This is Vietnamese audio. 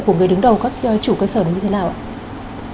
của người đứng đầu các chủ cơ sở này như thế nào ạ